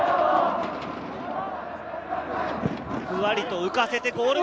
ふわりと浮かせて、ゴール前。